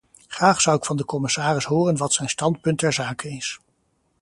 Graag zou ik van de commissaris horen wat zijn standpunt ter zake is.